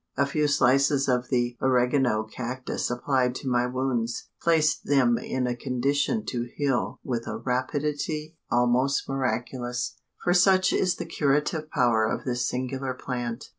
A few slices of the oregano cactus applied to my wounds, placed them in a condition to heal with a rapidity almost miraculous; for such is the curative power of this singular plant.